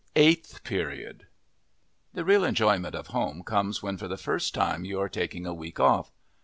EIGHTH PERIOD The real enjoyment of home comes when for the first time you are taking a week off.